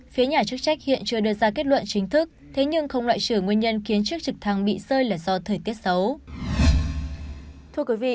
phía nhà chức trách hiện chưa đưa ra kết luận chính thức thế nhưng không loại trừ nguyên nhân khiến chiếc trực thăng bị rơi là do thời tiết xấu